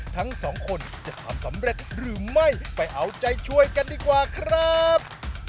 ทั้งสองคนจะทำสำเร็จหรือไม่ไปเอาใจช่วยกันดีกว่าครับ